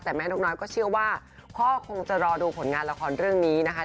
แต่แม่นกน้อยก็เชื่อว่าพ่อคงจะรอดูผลงานละครเรื่องนี้นะคะ